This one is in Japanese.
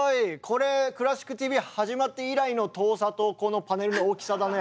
これ「クラシックＴＶ」始まって以来の遠さとこのパネルの大きさだね。